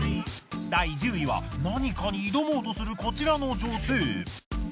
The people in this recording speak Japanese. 第１０位は何かに挑もうとするこちらの女性。